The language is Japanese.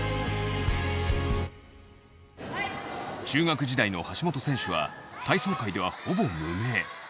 中学時代の橋本選手は体操界では、ほぼ無名。